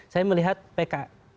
saya melihat pks